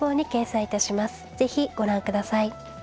是非ご覧下さい。